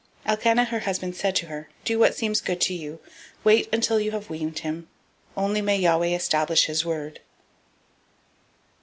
001:023 Elkanah her husband said to her, Do what seems you good; wait until you have weaned him; only Yahweh establish his word.